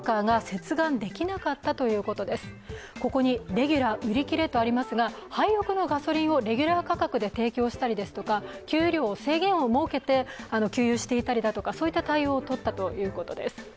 レギュラー売切れとありますがハイオクのガソリンをレギュラー価格で提供したりですとか、制限を設けて給油していたりとかそういう対応をとったということです。